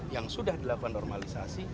yang sudah dilakukan normalisasi